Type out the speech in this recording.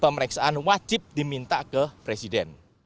pemeriksaan wajib diminta ke presiden